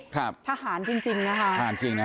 ถ่าหารจริง